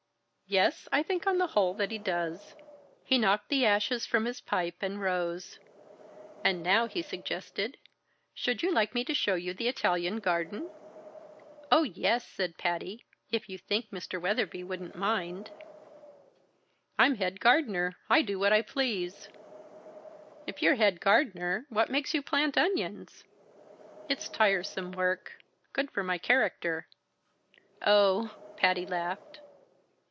"Yes, I think on the whole that he does." He knocked the ashes from his pipe and rose. "And now," he suggested, "should you like me to show you the Italian garden?" "Oh, yes," said Patty, "if you think Mr. Weatherby wouldn't mind." "I'm head gardener. I do what I please." "If you're head gardener, what makes you plant onions?" "It's tiresome work good for my character." "Oh!" Patty laughed.